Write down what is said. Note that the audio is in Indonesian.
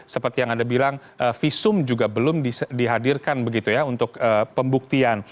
seperti yang anda bilang visum juga belum dihadirkan begitu ya untuk pembuktian